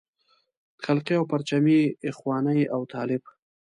خلقي او پرچمي اخواني او طالب.